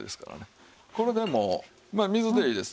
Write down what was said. これでもう水でいいです。